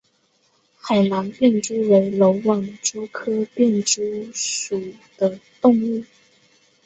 海南便蛛为缕网蛛科便蛛属的动物。